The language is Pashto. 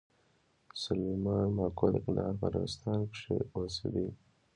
سلېمان ماکو د کندهار په ارغسان کښي اوسېدئ.